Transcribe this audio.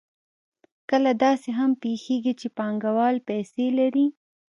کله داسې هم پېښېږي چې پانګوال پیسې لري